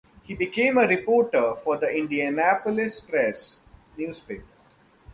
He became a reporter for the "Indianapolis Press" newspaper.